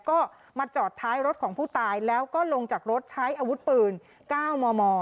ก็มาจอดท้ายรถของผู้ตายแล้วก็ลงจากรถใช้อาวุธปืน๙มม